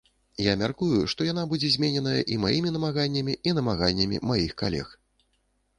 Я мяркую, што яна будзе змененая і маімі намаганнямі, і намаганнямі маіх калег.